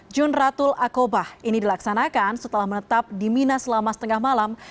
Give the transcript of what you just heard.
junratul akobah ini dilaksanakan setelah menetap di mina selama setengah malam